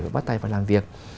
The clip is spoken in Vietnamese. và bắt tay vào làm việc